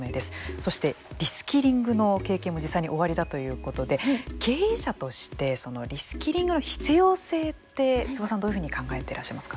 そしてリスキリングの経験も実際におありだということで経営者としてそのリスキリングの必要性って諏訪さん、どういうふうに考えていらっしゃいますか。